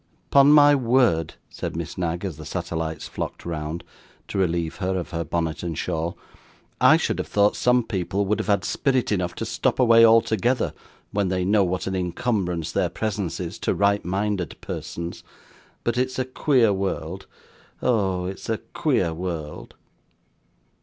'Upon my word!' said Miss Knag, as the satellites flocked round, to relieve her of her bonnet and shawl; 'I should have thought some people would have had spirit enough to stop away altogether, when they know what an incumbrance their presence is to right minded persons. But it's a queer world; oh! it's a queer world!